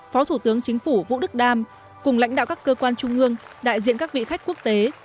phó thủ tướng chính phủ vũ đức đam cùng lãnh đạo các cơ quan trung ương đại diện các vị khách quốc tế